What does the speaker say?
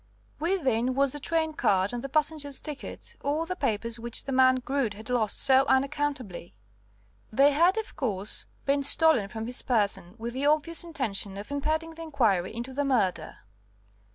Within was the train card and the passengers' tickets, all the papers which the man Groote had lost so unaccountably. They had, of course, been stolen from his person with the obvious intention of impeding the inquiry into the murder.